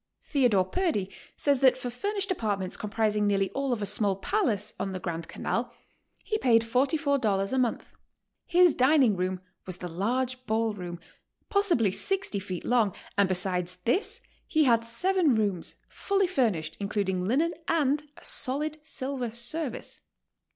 Theodore Purdy says that for furnished apartments comprising nearly all of a small palace on the Grand Canal he paid $44 a month. His dining room was the large ball room, possibly 60 feet long, and besides this he had 152 GOING ABROAD? J seven rooms, fully furnished including linen and a solid silver service.